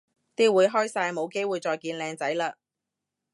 啲會開晒冇機會再見靚仔嘞